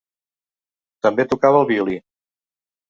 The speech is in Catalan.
També tocava el violí.